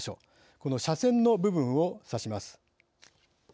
この斜線の部分を指します。